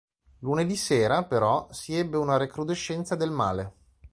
Lunedì sera, però, si ebbe una recrudescenza del male.